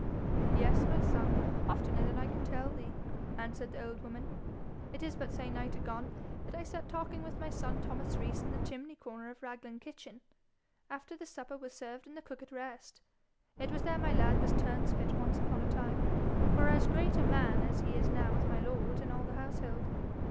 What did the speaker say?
'Yes, my son oftener than I can tell thee,' answered the old woman. 'It is but a se'night agone that I sat a talking with my son Thomas Rees in the chimney corner of Raglan kitchen, after the supper was served and the cook at rest. It was there my lad was turnspit once upon a time, for as great a man as he is now with my lord and all the household.